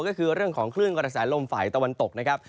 ก็คือเรื่องของคลื่นกระแสลมฝ่ายตะวันตกนะครับ